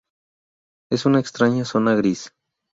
Es una extraña zona gris.